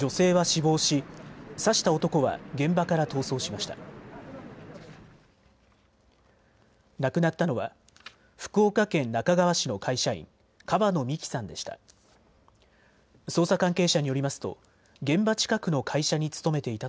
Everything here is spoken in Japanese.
亡くなったのは福岡県那珂川市の会社員、川野美樹さんでした。